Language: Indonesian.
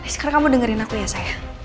sekarang kamu dengerin aku ya saya